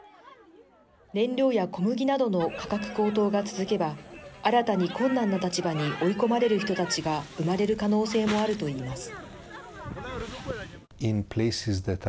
燃料や小麦などの価格高騰が続けば新たに困難な立場に追い込まれる人たちが生まれる可能性もあるといいます。